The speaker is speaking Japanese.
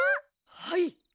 はい。